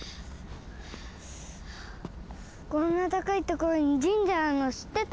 こんなたかいところに神社あるのしってた？